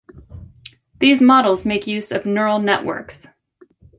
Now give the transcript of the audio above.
These models make use of Neural networks.